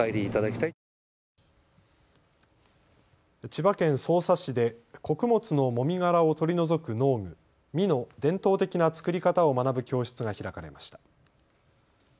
千葉県匝瑳市で穀物のもみ殻を取り除く農具、箕の伝統的な作り方を学ぶ教室が開かれました。